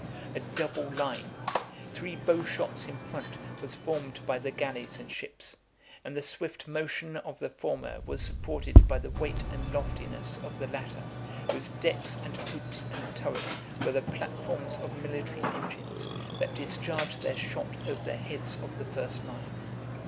A double line, three bow shots in front, was formed by the galleys and ships; and the swift motion of the former was supported by the weight and loftiness of the latter, whose decks, and poops, and turret, were the platforms of military engines, that discharged their shot over the heads of the first line.